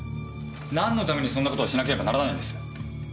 何のためにそんな事をしなければならないんです？